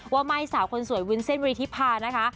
ว่าไม้สาวคนสวยวินเซนวีธิพานะคะ